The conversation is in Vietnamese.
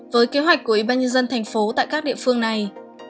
với kế hoạch của ủy ban nhân dân tp hcm tại các địa phương này